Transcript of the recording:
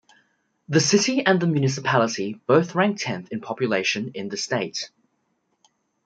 The city and the municipality both rank tenth in population in the state.